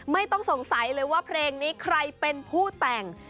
ไม่ต้องสงสัยเลยว่าเพลงนี้ใครเป็นผู้แต่ง